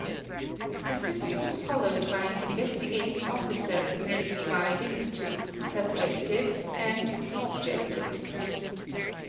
The systems followed by an Investigating Officer may be divided into " subjective' and ' objective "'.